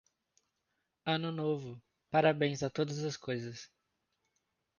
Ano Novo, parabéns a todas as coisas